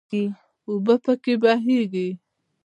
اوبه پکې بهیږي.